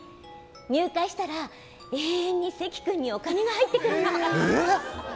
入会したら、永遠に関君にお金が入ってくるの！